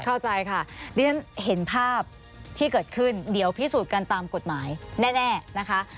เข้าใจค่ะดิฉันเห็นภาพที่เกิดขึ้นเดี๋ยวพิสูจน์กันตามกฎหมายแน่นะคะ